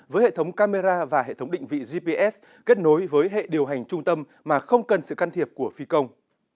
với hệ thống camera và hệ thống định vị gps kết nối với hệ điều hành trung tâm mà không cần sự can thiệp của phi công